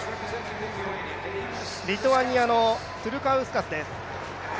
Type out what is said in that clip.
リトアニアのトゥルカウスカスです。